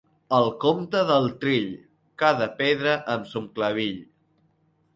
El compte del trill: cada pedra amb son clavill.